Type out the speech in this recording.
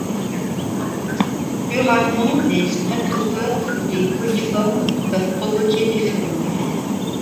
Plus rarement, des streptocoques ou des coliformes peuvent provoquer des furoncles.